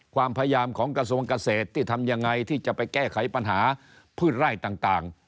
ความพยายามของกระทรวงเกษตรที่ทำยังไงที่จะไปแก้ไขปัญหาพืชไร่ต่าง